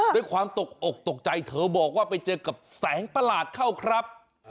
ด้วยความตกอกตกใจเธอบอกว่าไปเจอกับแสงประหลาดเข้าครับ